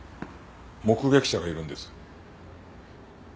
目撃者がいるんです。